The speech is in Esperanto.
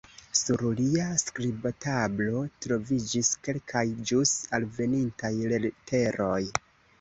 Sur lia skribtablo troviĝis kelkaj, ĵus alvenintaj leteroj.